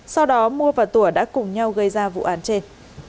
sau đó mua và tủa đã cùng nhau gây ra vụ án trên